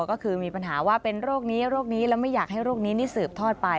ก็คือมีปัญหาว่าเป็นโรคนี้โรคนี้แล้วไม่อยากให้โรคนี้นี่สืบทอดไป